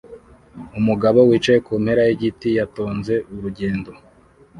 Umugabo wicaye kumpera yigiti yatonze urugendo